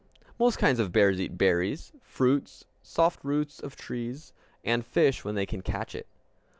Most kinds of bears eat berries, fruits, soft roots of trees, and fish when they can catch it.